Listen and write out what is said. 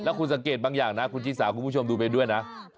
คุณสังเกตบางอย่างนะคุณชิสาคุณผู้ชมดูไปด้วยนะ